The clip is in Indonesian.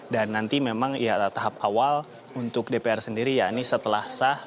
dan nanti memang ya tahap awal untuk dpr sendiri yakni setelah sah